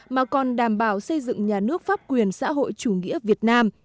mà còn đảm bảo xây dựng nhà nước pháp quyền xã hội chủ nghĩa việt nam